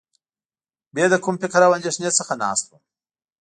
بې له کوم فکر او اندېښنې څخه ناست وم.